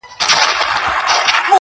گلي.